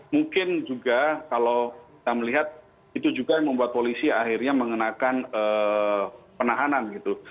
mungkin juga kalau kita melihat itu juga yang membuat polisi akhirnya mengenakan penahanan gitu